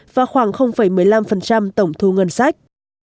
và khoảng một mươi năm tổng thu ngân sách